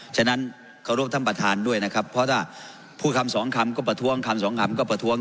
ฉะนั้นขอรบท่านประธานด้วยนะครับเพราะถ้าพูดคำสองคำก็ประท้วงคำสองคำก็ประท้วง